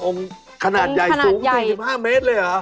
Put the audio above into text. ขนาดใหญ่สูง๔๕เมตรเลยเหรอ